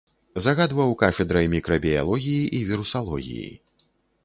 Загадваў кафедрай мікрабіялогіі і вірусалогіі.